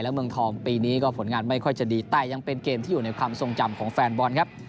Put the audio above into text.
เมืองทองปีนี้ก็ผลงานไม่ค่อยจะดีแต่ยังเป็นเกมที่อยู่ในความทรงจำของแฟนบอลครับ